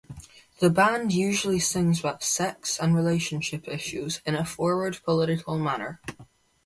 The band usually sings about sex and relationship issues in a forward political manner.